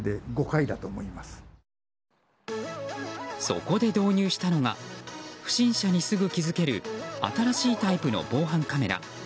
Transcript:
そこで導入したのが不審者にすぐ気付ける新しいタイプの防犯カメラ。